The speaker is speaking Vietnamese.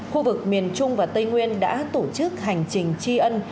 khu vực miền trung và tây nguyên đã tổ chức hành trình chi ân